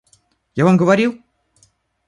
Я вам говорил?